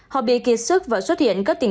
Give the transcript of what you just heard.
họ bị kiệt sức và xuất hiện các tình